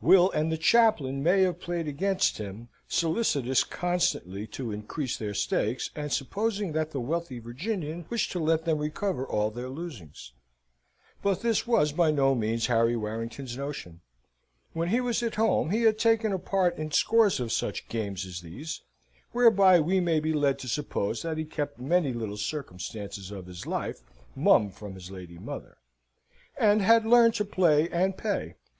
Will and the chaplain may have played against him, solicitous constantly to increase their stakes, and supposing that the wealthy Virginian wished to let them recover all their losings. But this was by no means Harry Warrington's notion. When he was at home he had taken a part in scores of such games as these (whereby we may be led to suppose that he kept many little circumstances of his life mum from his lady mother), and had learned to play and pay.